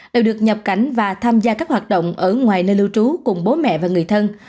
đều được nhập cảnh và tham gia các hoạt động ở ngoài nơi lưu trú cùng bố mẹ và người thân